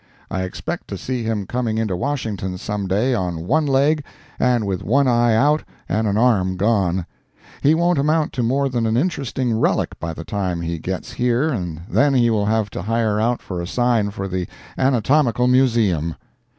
I expect to see him coming into Washington some day on one leg and with one eye out and an arm gone. He won't amount to more than an interesting relic by the time he gets here and then he will have to hire out for a sign for the Anatomical Museum.